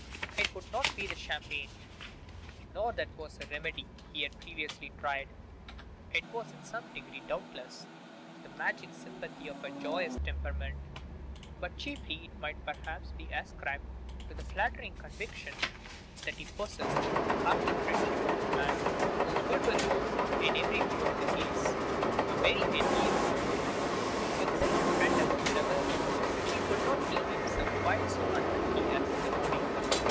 It could not be the champagne, for that was a remedy he had previously tried; it was in some degree doubtless the magic sympathy of a joyous temperament: but chiefly it might, perhaps, be ascribed to the flattering conviction that he possessed the hearty friendship of a man whose good will was, in every view of the case, a very enviable possession. With such a friend as Mirabel, he could not deem himself quite so unlucky as in the morning.